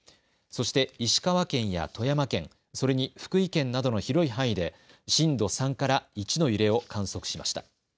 そして石川県や富山県、それに福井県などの広い範囲で震度３から１の揺れを観測しました。